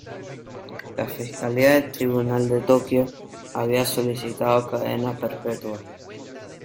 La fiscalía del tribunal de Tokio había solicitado cadena perpetua.